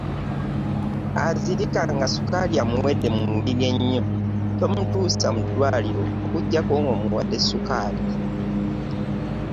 Azirika nga sukaali awedde mu mubiri, oyo tomutuusa mu ddwaliro okuggyako ng’omuwadde sukaali.